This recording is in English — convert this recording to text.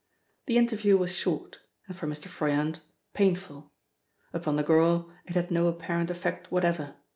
The interview was short, and for Mr. Froyant, painful. Upon the girl it had no apparent effect whatever.